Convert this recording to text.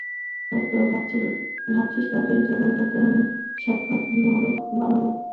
হয়ত ভাবছিস, তোদের জীবনটাকে আমি সাক্ষাৎ নরক বানাবো।